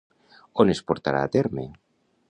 On es portarà a terme?